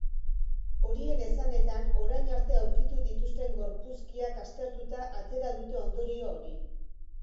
Horien esanetan, orain arte aurkitu dituzten gorpuzkiak aztertuta atera dute ondorio hori.